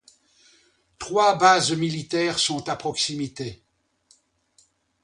Trois bases militaires sont à proximité.